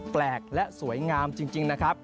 แปลกและสวยงามจริงนะครับ